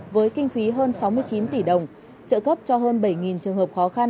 với kinh phí hơn sáu mươi chín tỷ đồng trợ cấp cho hơn bảy trường hợp khó khăn